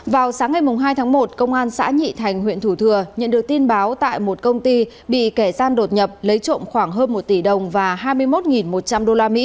vào sáng ngày hai tháng một công an xã nhị thành huyện thủ thừa nhận được tin báo tại một công ty bị kẻ gian đột nhập lấy trộm khoảng hơn một tỷ đồng và hai mươi một một trăm linh usd